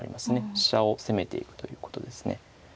飛車を攻めていくということですね。